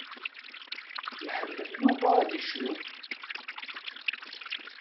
Iḥemmel Yuba ad icnu.